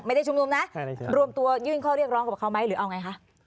ไม่ได้ชุมนุมนะรวมตัวยื่นข้อเรียกร้องกับเขาไหมหรือเอาไงคะ